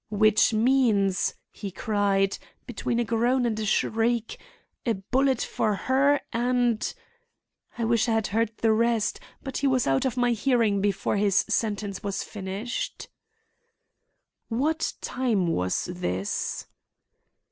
'Which means—' he cried, between a groan and a shriek, 'a bullet for her and—' I wish I had heard the rest, but he was out of my hearing before his sentence was finished." "What time was this?"